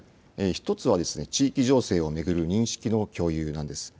１つは地域情勢を巡る認識の共有なんです。